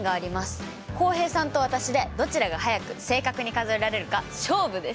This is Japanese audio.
浩平さんと私でどちらが速く正確に数えられるか勝負です。